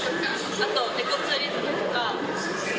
あとエコツーリズムとか。